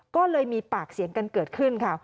ก็เลยมีปากเสียงกันเกิดขึ้นค่ะ